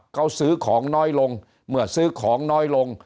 เขาซื้อของน้อยลงเมื่อซื้อของน้อยลง